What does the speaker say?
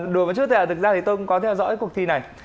đùa một chút thôi ạ thực ra thì tôi cũng có theo dõi cuộc thi này